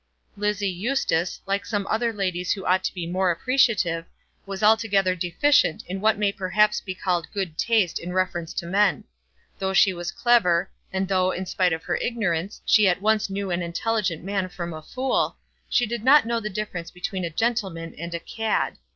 Lizzie Eustace, like some other ladies who ought to be more appreciative, was altogether deficient in what may perhaps be called good taste in reference to men. Though she was clever, and though, in spite of her ignorance, she at once knew an intelligent man from a fool, she did not know the difference between a gentleman and a "cad."